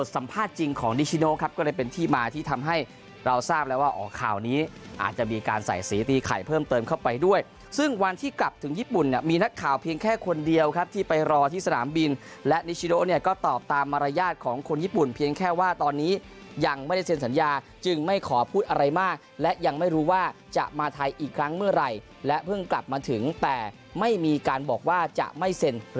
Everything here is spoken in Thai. ใส่สีตีไข่เพิ่มเติมเข้าไปด้วยซึ่งวันที่กลับถึงญี่ปุ่นมีนักข่าวเพียงแค่คนเดียวครับที่ไปรอที่สนามบินและนิชโน้นเนี่ยก็ตอบตามมารยาทของคนญี่ปุ่นเพียงแค่ว่าตอนนี้ยังไม่ได้เซ็นสัญญาจึงไม่ขอพูดอะไรมากและยังไม่รู้ว่าจะมาไทยอีกครั้งเมื่อไหร่และเพิ่งกลับมาถึงแต่ไม่มีการบอกว่าจะไม